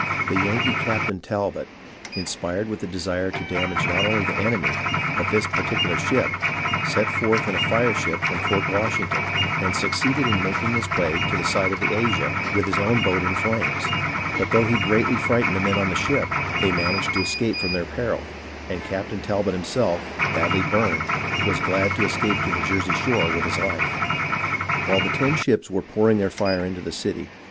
The Yankee Captain Talbot, inspired with a desire to damage not only the enemy, but this particular ship, set forth in a fire ship from Fort Washington, and succeeded in making his way to the side of the Asia with his own boat in flames ; but though he greatly frightened the men on the ship, they managed to escape from their peril, and Captain Talbot himself, badly burned, was glad to escape to the Jersey shore with his life. While the ten ships were pouring their fire into the city.